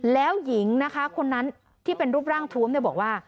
แล้วหญิงคนนั้นที่เป็นรูปร่างท้วมบอกว่า